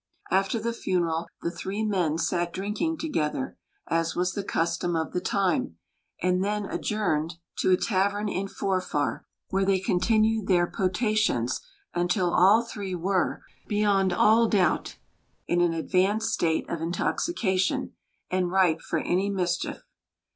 After the funeral the three men sat drinking together, as was the custom of the time, and then adjourned to a tavern in Forfar, where they continued their potations until all three were, beyond all doubt, in an advanced state of intoxication, and ripe for any mischief.